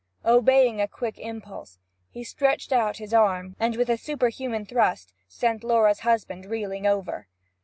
Obeying a quick impulse, he stretched out his arm, and with a superhuman thrust sent Laura's husband reeling over.